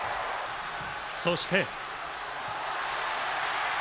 そして。